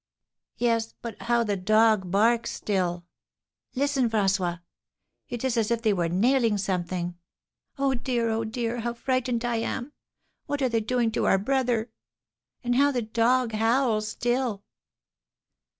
"Yes; but how the dog barks still!" "Listen, François! It is as if they were nailing something. Oh, dear, oh, dear, how frightened I am! What are they doing to our brother? And how the dog howls still!"